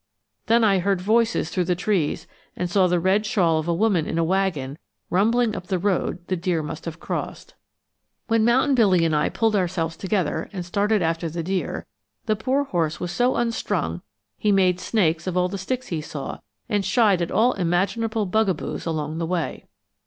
Then I heard voices through the trees and saw the red shawl of a woman in a wagon rumbling up the road the deer must have crossed. When Mountain Billy and I pulled ourselves together and started after the deer, the poor horse was so unstrung he made snakes of all the sticks he saw and shied at all imaginable bugaboos along the way.